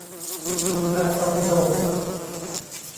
ดาตอร์ปิโด